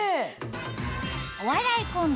お笑いコンビ